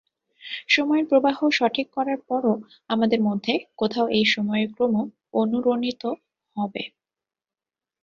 সময়ের প্রবাহ সঠিক করার পরও, আমাদের মধ্যে কোথাও এই সময়ের ক্রম অনুরণিত হবে।